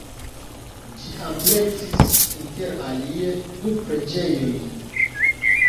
Ĝi ampleksis inter alie du preĝejojn.